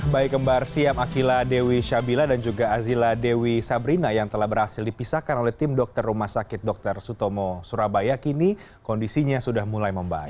baik kembar siam akila dewi syabila dan juga azila dewi sabrina yang telah berhasil dipisahkan oleh tim dokter rumah sakit dr sutomo surabaya kini kondisinya sudah mulai membaik